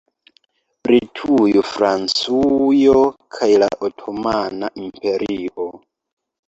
Britujo, Francujo kaj la Otomana Imperio.